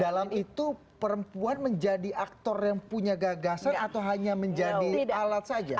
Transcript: dalam itu perempuan menjadi aktor yang punya gagasan atau hanya menjadi alat saja